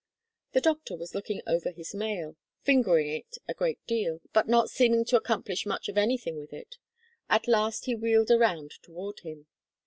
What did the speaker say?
The doctor was looking over his mail, fingering it a great deal, but not seeming to accomplish much of anything with it. At last he wheeled around toward him.